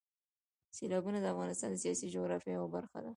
سیلابونه د افغانستان د سیاسي جغرافیې یوه برخه ده.